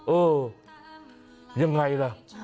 เออยังไงล่ะ